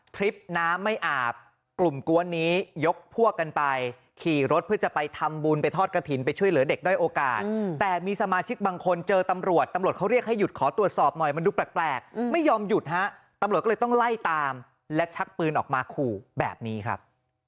คลิปน้ำไม่อาบกลุ่มกวนนี้ยกพวกกันไปขี่รถเพื่อจะไปทำบุญไปทอดกระถิ่นไปช่วยเหลือเด็กด้อยโอกาสแต่มีสมาชิกบางคนเจอตำรวจตำรวจเขาเรียกให้หยุดขอตรวจสอบหน่อยมันดูแปลกไม่ยอมหยุดฮะตำรวจก็เลยต้องไล่ตามและชักปืนออกมาขู่แบบนี้ครับ